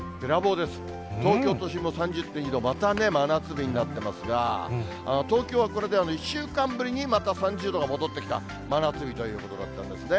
東京都心も３０．２度、またね、真夏日になってますが、東京はこれで１週間ぶりにまた３０度が戻ってきた、真夏日ということだったんですね。